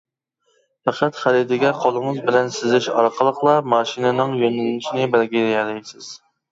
پەقەت خەرىتىگە قولىڭىز بىلەن سىزىش ئارقىلىقلا ماشىنىنىڭ يۆنىلىشىنى بەلگىلىيەلەيسىز.